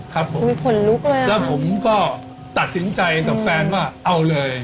ครับผมแล้วผมก็ตัดสินใจกับแฟนว่าเอาเลย